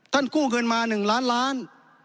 กู้เงินมา๑ล้านล้าน